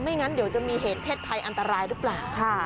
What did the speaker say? งั้นเดี๋ยวจะมีเหตุเพศภัยอันตรายหรือเปล่า